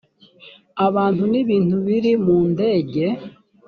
abantu n’ ibintu biri mu ndege